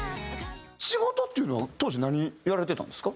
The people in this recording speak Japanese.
仕事っていうのは当時何やられてたんですか？